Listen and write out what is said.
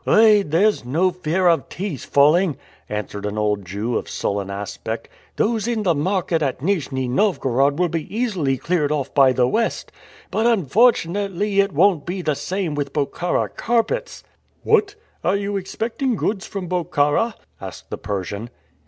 "Oh, there's no fear of teas falling," answered an old Jew of sullen aspect. "Those in the market at Nijni Novgorod will be easily cleared off by the West; but, unfortunately, it won't be the same with Bokhara carpets." "What! are you expecting goods from Bokhara?" asked the Persian.